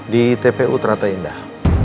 di tpu trate indah